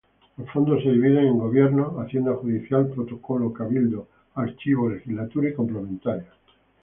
Los fondos se dividen en: gobierno, hacienda, judicial, protocolo, cabildo, archivo legislatura y complementarias.